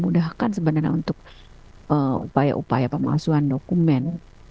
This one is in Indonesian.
memudahkan sebenarnya untuk upaya upaya pemasuhan dokumen